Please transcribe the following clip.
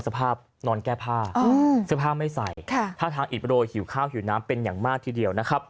สภาพนอนแก้ผ้าสภาพไม่ใส่ท่าทางอิดประโยชน์หิวข้าวหิวน้ำเป็นอย่างมากทีเดียว